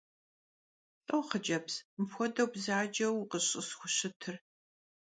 Lh'o, xhıcebz, mıpxuedeu bzaceu vukhış'ısxuşıtır?